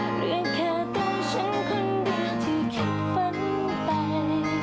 หรือแค่ต้องฉันคนดีที่คิดฝันไป